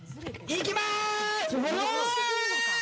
いきまーす！